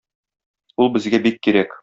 Ул безгә бик кирәк.